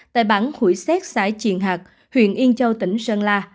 tại bảng hủy xét xãi triền hạc huyện yên châu tỉnh sơn la